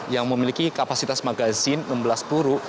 yang memiliki kapasitas magazin enam belas peluru